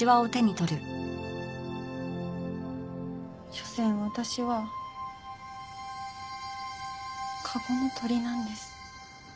しょせん私は籠の鳥なんです。